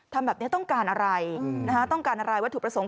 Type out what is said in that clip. ทำแบบนี้ต้องการอะไรต้องการอะไรวัตถุประสงค์